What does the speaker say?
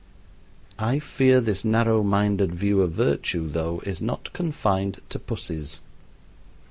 I fear this narrow minded view of virtue, though, is not confined to pussies.